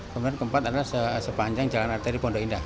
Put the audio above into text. kemudian keempat adalah sepanjang jalan arteri pondok indah